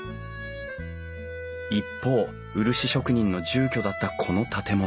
一方漆職人の住居だったこの建物。